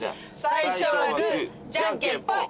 最初はグーじゃんけんポン！